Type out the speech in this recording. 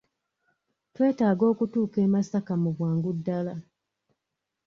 Twetaaga okutuuka e Masaka mu bwangu ddala